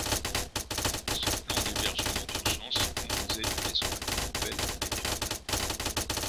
Ce plan d'hébergements d'urgence se composait de maisons individuelles avec jardins.